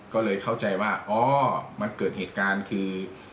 ก็เลยเข้าใจว่าอ๋อมันเกิดเหตุการณ์คือ